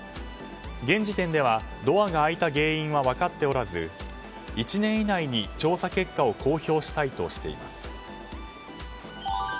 現時点では、ドアが開いた原因は分かっておらず１年以内に調査結果を公表したいとしています。